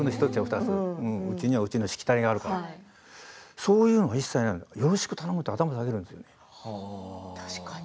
うちにはうちのしきたりがあるとかそういうのが一切なくてよろしく頼むって頭を下げるんですよ。